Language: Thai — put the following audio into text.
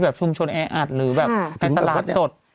ที่ชุมชนแอ๊ดหรือแบบแอ๊ดตลาดสด